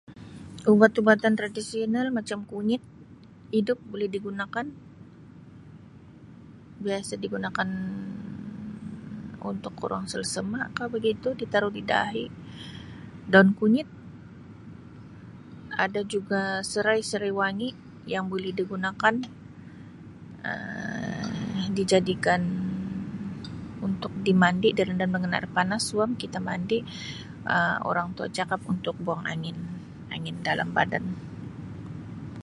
Ubat ubatan tradisional macam kunyit hidup boleh digunakan biasa digunakan untuk orang selsema ka begitu di taruh di dahi daun kunyit ada juga serai serai wangi yang boleh digunakan Um dijadikan untuk di mandi direndam dengan air panas suam kita mandi Um orang tua cakap untuk buang angin angin dalam badan.